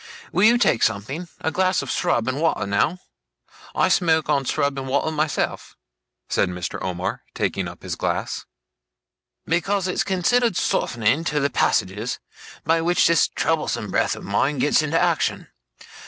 Will you take something? A glass of srub and water, now? I smoke on srub and water, myself,' said Mr. Omer, taking up his glass, 'because it's considered softening to the passages, by which this troublesome breath of mine gets into action.